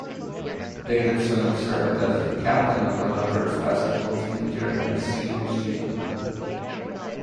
Davidson served as the captain of the Leopards basketball team during his senior season.